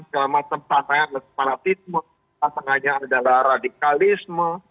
segala macam tantangan seperti parasitma tantangannya adalah radikalisme